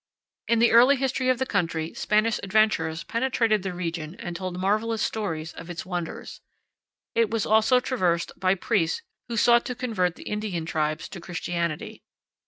In the early history of the country Spanish adventurers penetrated the region and told marvelous stories of its wonders. It was also traversed by priests who sought to convert the Indian tribes to Christianity.